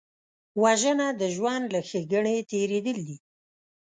وژنه د ژوند له ښېګڼې تېرېدل دي